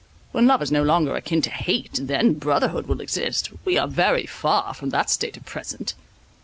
When love is no longer akin to hate, then brotherhood will exist: we are very far from that state at present."